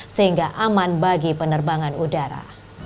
sehingga aman bagi penerbangan udara